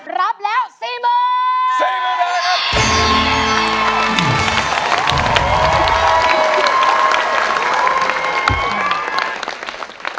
รับแล้ว๔มือ